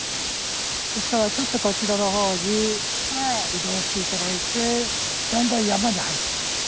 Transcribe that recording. ですからちょっとこちらの方に移動して頂いてだんだん山に入っていきます。